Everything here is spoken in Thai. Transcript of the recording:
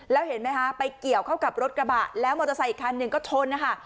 แล้วเห็นไหมคะไปเกี่ยวเข้ากับรถกระบะแล้วมอเตอร์ไซค์อีกคันหนึ่งก็ชนนะคะ